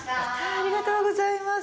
ありがとうございます。